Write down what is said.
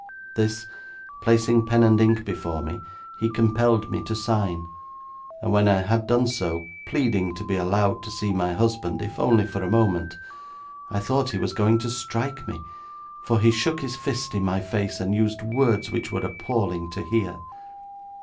This, placing pen and ink before me, he compelled me to sign, and when I had done so, pleading to be allowed to see my husband, if only for a moment, I thought he was going to strike me, for he shook his fist in my face, and used words which were appalling to hear.